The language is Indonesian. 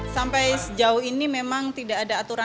sampai sejauh ini memang tidak ada aturan